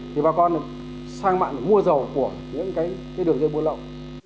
thì bà con sang mạng để mua dầu của những cái đường dây buôn lậu